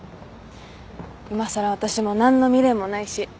いまさら私も何の未練もないし。